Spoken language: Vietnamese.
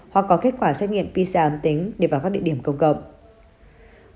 hoặc có kết quả xét nghiệm pcr ẩm tính để vào các địa điểm công cộng